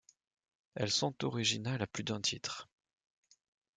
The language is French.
Elles sont originales à plus d’un titre.